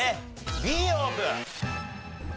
Ｂオープン！